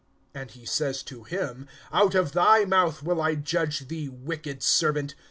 (22)And he says to him: Out of thy mouth will I judge thee, wicked servant.